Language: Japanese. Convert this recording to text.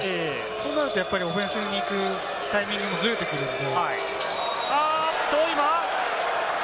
そうなると、オフェンスに行くタイミングもずれてくるので。